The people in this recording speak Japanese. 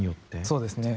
そうですね。